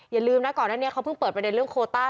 อย่าลืมนะก่อนหน้านี้เขาเพิ่งเปิดประเด็นเรื่องโคต้า